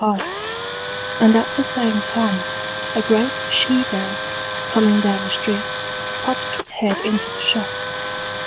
gif)] and at the same time a great she bear, coming down the street, pops its head into the shop.